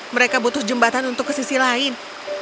mereka butuh jembatan untuk ke sisi lain